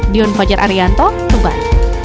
dion fajar arianto tuban